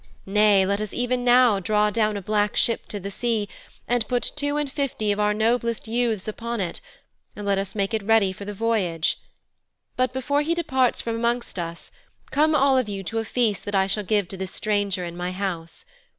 Nay, let us even now draw down a black ship to the sea, and put two and fifty of our noblest youths upon it, and let us make it ready for the voyage. But before he departs from amongst us, come all of you to a feast that I shall give to this stranger in my house.